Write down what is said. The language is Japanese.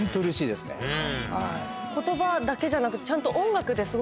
言葉だけじゃなくちゃんと。